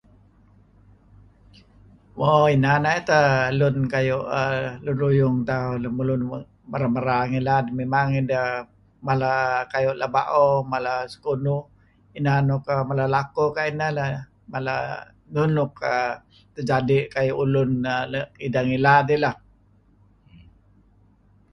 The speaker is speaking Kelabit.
Mo inan ayu' teh lun kayu' lun ruyung tauh lemulun luk merar-merar ngilad, memang deh mala kayu' laba'o, mala sekunuh, inan luk mala lakuh kayu' inah leh mala nun luk terjadi' ulun ideh ngilad dih lah